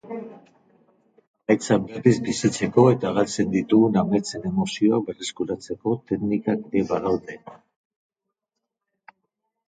Ametsak berriz bizitzeko eta galtzen ditugun ametsen emozioak berreskuratzeko teknikak ere badaude.